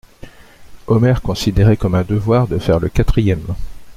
Omer considérait comme un devoir de faire le quatrième.